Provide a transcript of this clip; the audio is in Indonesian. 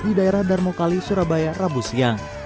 di daerah darmokali surabaya rabu siang